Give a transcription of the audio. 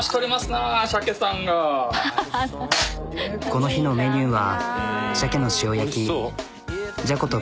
この日のメニューはシャケの塩焼きじゃこと